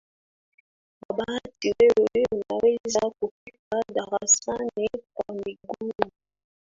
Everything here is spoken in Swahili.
Kwa bahati wewe unaweza kufika darasani kwa miguu.